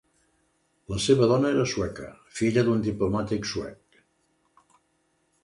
La seva dona era sueca, filla d'un diplomàtic suec.